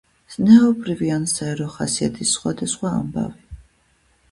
ზნეობრივი ან საერო ხასიათის სხვადასხვა ამბავი.